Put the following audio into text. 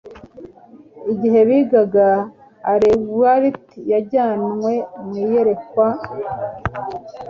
Igihe bigaga, Ellen White yajyanwe mu iyerekwa,